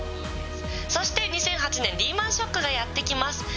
そして２００８年、リーマンショックがやって来ます。